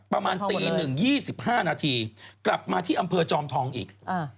ประมาณตี๑๒๕นาทีกลับมาที่อำเภอจอมทองอีก